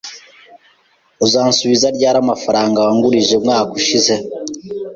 Uzansubiza ryari amafaranga wangurije umwaka ushize?